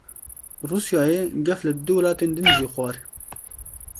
Rûsyayê gef li du welatên din jî xwar.